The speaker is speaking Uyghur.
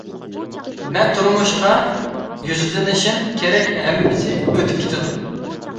مەن تۇرمۇشقا يۈزلىنىشىم كېرەك ھەممىسى ئۆتۈپ كېتىدۇ.